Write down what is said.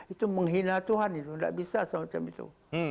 itu menghina tuhan itu tidak bisa semacam itu